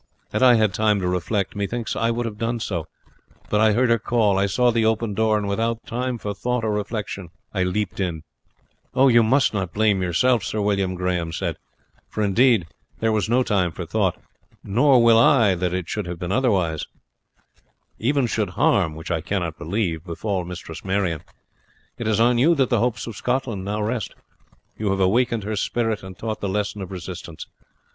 Had I had time to reflect, methinks I would have done so; but I heard her call, I saw the open door, and without time for thought or reflection I leapt in." "You must not blame yourself, Sir William," Grahame said, "for, indeed, there was no time for thought; nor will I that it should have been otherwise, even should harm, which I cannot believe, befall Mistress Marion. It is on you that the hopes of Scotland now rest. You have awakened her spirit and taught the lesson of resistance.